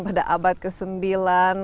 pada abad ke sembilan